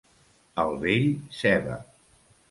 Al vell, ceba.